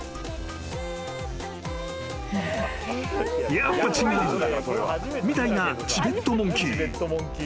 ［「やっぱ違う」みたいなチベットモンキー］